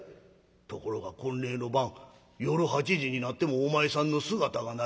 ところが婚礼の晩夜８時になってもお前さんの姿がない。